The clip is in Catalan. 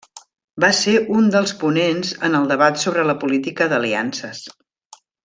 Va ser un dels ponents en el debat sobre la política d'aliances.